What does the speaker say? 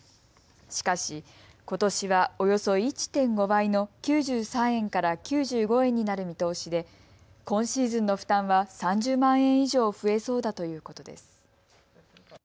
しかし、ことしはおよそ１．５倍の９３円から９５円になる見通しで今シーズンの負担は３０万円以上増えそうだということです。